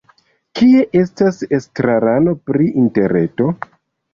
Kie estas estrarano pri interreto?